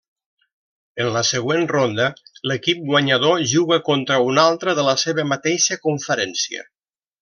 En la següent ronda, l'equip guanyador juga contra un altre de la seva mateixa conferència.